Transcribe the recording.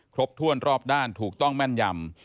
ครบถ้วนรอบด้านถูกต้องแม่นยำ